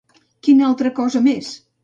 Quina altra cosa més?